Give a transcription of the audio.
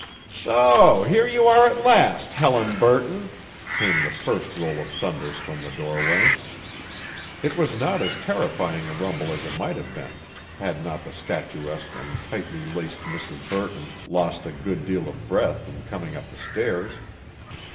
"So here you are at last, Helen Burton," came the first roll of thunder from the doorway. It was not as terrifying a rumble as it might have been had not the statuesque and tightly laced Mrs. Burton lost a good deal of breath in coming up the stairs.